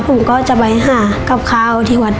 ผมก็จะไปหากับข้าวที่วัด